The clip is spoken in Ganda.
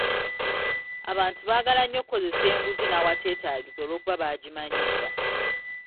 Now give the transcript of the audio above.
Abantu baagala nnyo okukozesa enguzi n’awateetaagisa olw'okuba baagimanyiira.